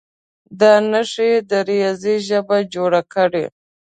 دا نښې د ریاضي ژبه جوړه کړه.